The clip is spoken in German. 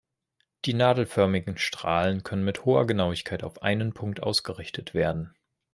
Die nadelförmigen Strahlen können mit hoher Genauigkeit auf einen Punkt ausgerichtet werden.